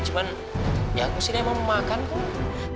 cuma ya aku kesini emang mau makan kok